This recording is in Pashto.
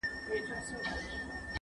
عطر دي د ښار پر ونو خپور کړمه!!